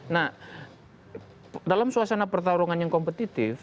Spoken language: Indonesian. nah dalam suasana pertarungan yang kompetitif